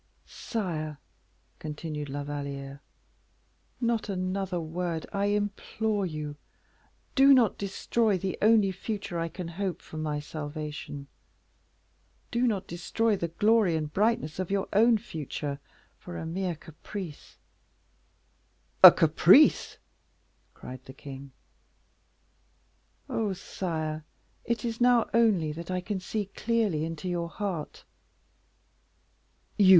"Sire," continued La Valliere, "not another word, I implore you. Do not destroy the only future I can hope for my salvation; do not destroy the glory and brightness of your own future for a mere caprice." "A caprice?" cried the king. "Oh, sire! it is now, only, that I can see clearly into your heart."